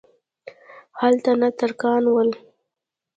هلته نه ترکان ول.